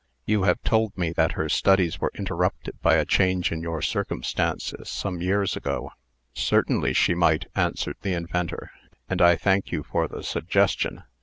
You have told me that her studies were interrupted by a change in your circumstances, some years ago." "Certainly she might," answered the inventor, "and I thank you for the suggestion.